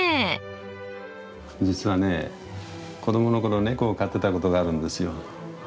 実はね子どもの頃猫を飼ってたことがあるんですよ。